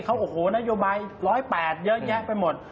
เขาโอ้โหนโยบาย๑๐๘เยอะแยะไปหมด